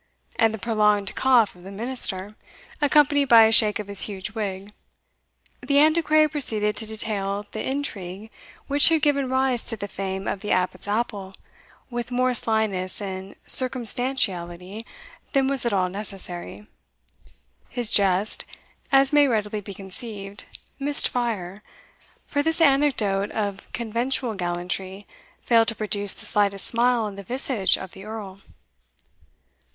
and the prolonged cough of the minister, accompanied by a shake of his huge wig, the Antiquary proceeded to detail the intrigue which had given rise to the fame of the abbot's apple with more slyness and circumstantiality than was at all necessary. His jest (as may readily be conceived) missed fire, for this anecdote of conventual gallantry failed to produce the slightest smile on the visage of the Earl.